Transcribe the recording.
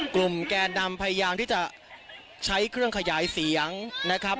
แกนนำพยายามที่จะใช้เครื่องขยายเสียงนะครับ